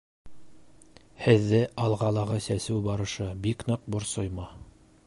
Һеҙҙе «Алға»лағы сәсеү барышы бик ныҡ борсоймо?